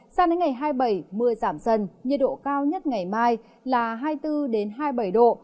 sang đến ngày hai mươi bảy mưa giảm dần nhiệt độ cao nhất ngày mai là hai mươi bốn hai mươi bảy độ